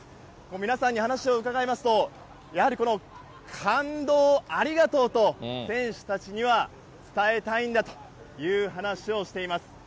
皆さんに話を伺いますと、やはりこの、感動をありがとうと、選手たちには伝えたいんだという話をしています。